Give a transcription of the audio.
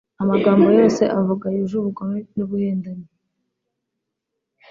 amagambo yose avuga yuje ubugome n'ubuhendanyi